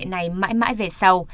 lễ này mãi mãi về sau